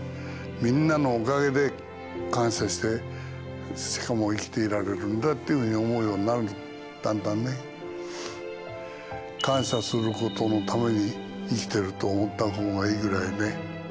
みんなのおかげで感謝してしかも生きていられるんだっていうふうに思うようになるだんだんね。と思ったほうがいいぐらいね。